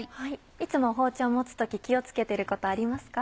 いつも包丁持つ時気を付けてることありますか？